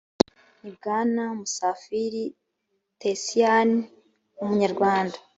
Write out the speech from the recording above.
ni bwana musafiri tecian umunyarwanda